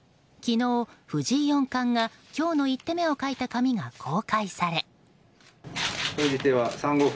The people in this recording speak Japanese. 昨日、藤井四冠が今日の１手目を書いた紙が公開され。